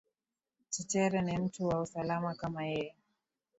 Tetere ni mtu wa usalama kama yeye